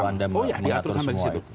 oh ya diatur sampai di situ